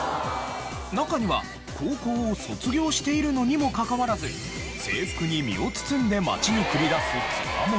中には高校を卒業しているのにもかかわらず制服に身を包んで街に繰り出すつわものまで。